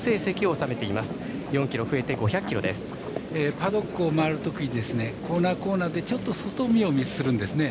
パドックを回るときにコーナー、コーナーでちょっと外見をするんですね。